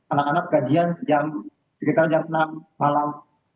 anak anak kajian sekitar jam enam malam